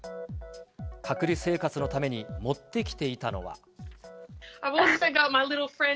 隔離生活のために持ってきていたのは。